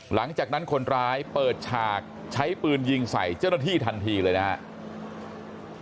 หลังจากนั้นคนร้ายเปิดฉากใช้ปืนยิงใส่เจ้าหน้าที่ทันทีเลยนะครับ